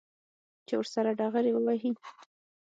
چې ورسره ډغرې ووهي.